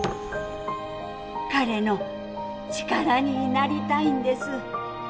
彼の力になりたいんです！